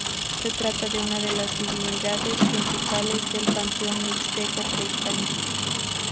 Se trata de una de las divinidades principales del panteón mixteco prehispánico.